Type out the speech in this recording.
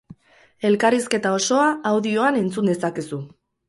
Elkarrizketa osoa audioan entzun dezakezu.